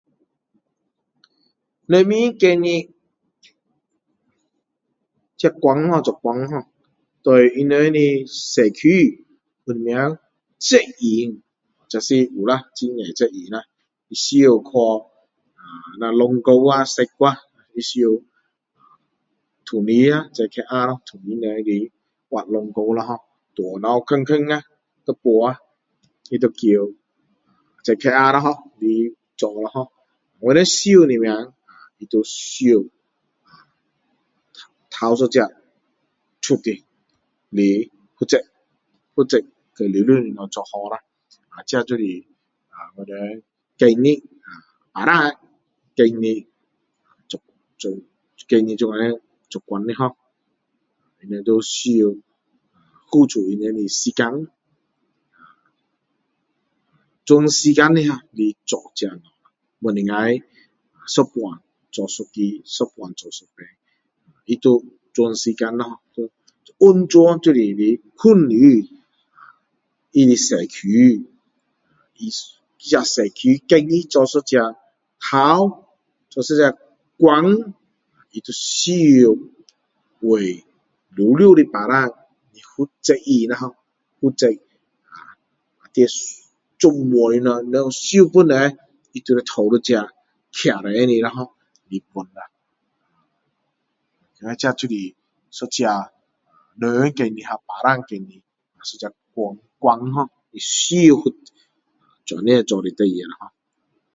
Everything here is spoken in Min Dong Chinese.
对他们的社区什么责任就是有啦很多责任啦有需要去水沟塞去有时通知JKR通知人来挖水沟啦hor 路如果有洞洞要补要叫JKR咯hor 来做掉hor 我们需要什么头一个出来的负责把所有东西做好去这就是我们政府 ba lang 选的做官的hor 他们都需要付出他们的时间全时间来做这些东西不能够一半做一半做一个一半做一边他要全时间啦hor 完全就是来服待社区那个社区选他做一个头做一个官他就需要为全部人来负责